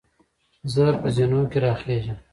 زۀ په زینو کې راخېږم.